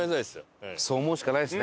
そう思うしかないですね。